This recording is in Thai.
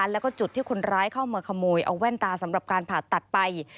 แล้วก็จุดที่คนร้ายเข้ามาขโมยเอาแว่นตาสำหรับการผ่าตัดไป